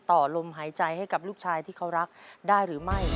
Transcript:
ต่อลมหายใจให้กับลูกชายที่เขารักได้หรือไม่